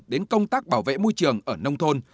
đến công tác bảo vệ môi trường ở nông thôn